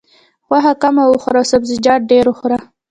غوښه کمه وخوره او سبزیجات ډېر وخوره.